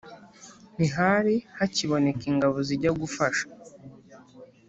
Ntihari hakiboneka ingabo zijya gufasha